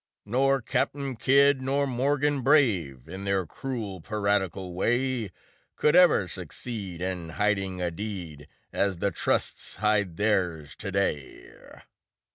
[ 40 ] Nor Captain Kidd nor Morgan brave In their cru'l, piratical way, Could ever succeed in hiding a deed As the trusts hide theirs to day.